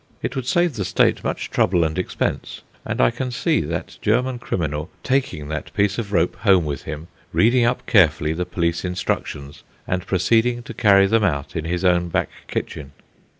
It would save the State much trouble and expense, and I can see that German criminal taking that piece of rope home with him, reading up carefully the police instructions, and proceeding to carry them out in his own back kitchen.